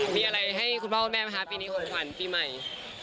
มีอะไรให้คุณพ่อคุณแม่ไหมคะปีนี้ของขวัญปีใหม่